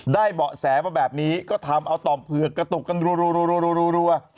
เบาะแสมาแบบนี้ก็ทำเอาต่อมเผือกกระตุกกันรัว